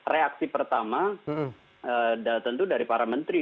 reaksi pertama tentu dari para menteri